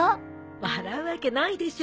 笑うわけないでしょ